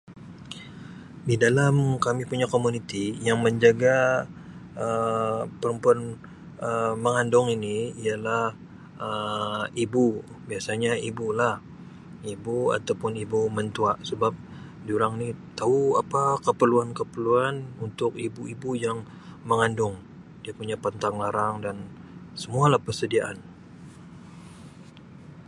Di dalam kami punya komuniti yang menjaga Um perempuan Um mengandung ini ialah Um ibu biasanya ibu lah ibu ataupun ibu mentua sebab dorang ni tau apa keperluan-keperluan untuk ibu-ibu yang mengandung dia punya pantang larang dan semua lah persediaan.